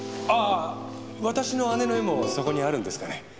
ああ私の姉の絵もそこにあるんですかね？